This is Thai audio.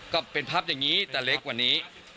ก็เป็นพับอย่างนี้แต่เล็กกว่านี้